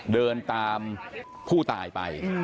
เดินตามผู้ตายไป